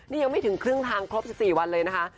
นี่ยังไม่ถึงครึ่งทางครบ๑๔วันเลยนะคะ